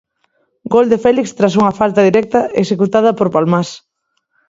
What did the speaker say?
Gol de Félix tras unha falta directa executada por Palmás.